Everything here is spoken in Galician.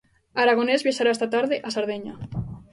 Aragonés viaxará esta tarde a Sardeña.